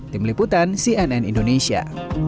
tim liputan cnn indonesia